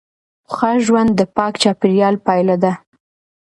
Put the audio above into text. ښه ژوند د پاک چاپیریال پایله ده.